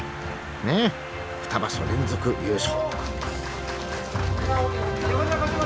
ねえ二場所連続優勝。